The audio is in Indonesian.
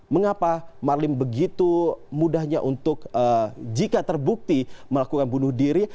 mengapa marlim begitu mudahnya untuk jika terbukti melakukan bunuh diri